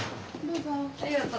ありがとう。